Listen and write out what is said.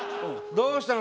どうしたの？